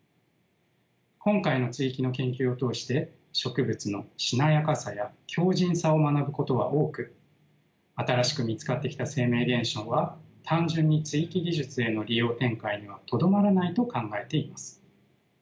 今回の接ぎ木の研究を通して植物のしなやかさや強じんさを学ぶことは多く新しく見つかってきた生命現象は単純に接ぎ木技術への利用展開にはとどまらないと考えています。